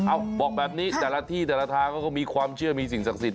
บอกแบบนี้แต่ละที่แต่ละทางเขาก็มีความเชื่อมีสิ่งศักดิ์สิท